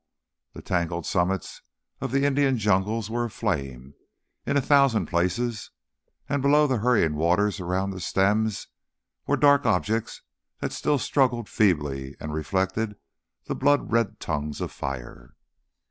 The tangled summits of the Indian jungles were aflame in a thousand places, and below the hurrying waters around the stems were dark objects that still struggled feebly and reflected the blood red tongues of fire.